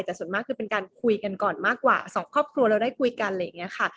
แต่ส่วนมากคือเป็นการคุยกันก่อนมากกว่าสองครอบครัวเราได้คุยกันอะไรอย่างนี้ค่ะ